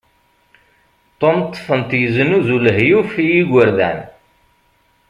Tom ṭṭfen-t yeznuzu lehyuf i igerdan.